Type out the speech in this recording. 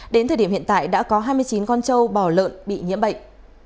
đến thời điểm hiện tại đã có hai mươi chín con trâu bò lợn bị nhiễm bệnh